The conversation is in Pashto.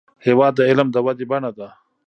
هېواد د علم د ودې بڼه ده.